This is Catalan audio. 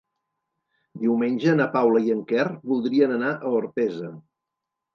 Diumenge na Paula i en Quer voldrien anar a Orpesa.